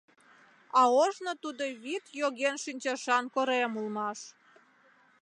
А ожно тудо вӱд йоген шинчышан корем улмаш.